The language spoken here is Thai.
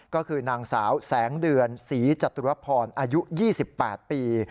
ก็คือนางสาวแสงเดือนศรีจตุรพรอายุ๒๘ปี